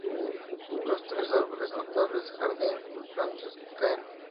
Los tres árboles notables ""Jardin des Plantes de Caen""